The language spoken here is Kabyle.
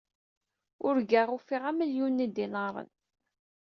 Urgaɣ ufiɣ amelyun n yidinaṛen.